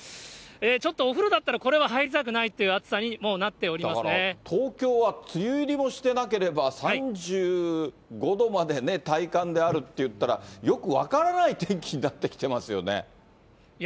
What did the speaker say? ちょっとお風呂だったらこれは入りたくないっていう暑さに、だから、東京は梅雨入りもしてなければ、３５度まで体感であるっていったら、よく分からない天気になっていや